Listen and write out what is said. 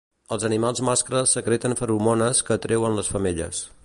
Els animals mascles secreten feromones que atreuen les femelles.